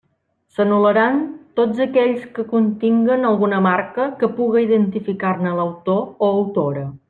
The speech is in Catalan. S'anul·laran tots aquells que continguen alguna marca que puga identificar-ne l'autor o autora.